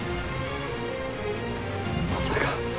まさか。